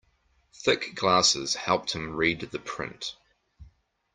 Thick glasses helped him read the print.